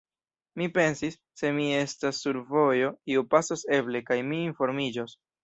Mi pensis: «Se mi estas sur vojo, iu pasos eble, kaj mi informiĝos. »